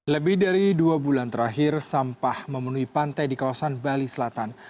lebih dari dua bulan terakhir sampah memenuhi pantai di kawasan bali selatan